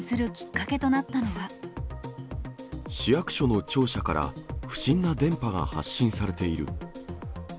市役所の庁舎から、不審な電波が発信されている。